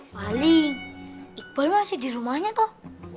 paling iqbal masih di rumahnya kok